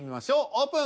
オープン。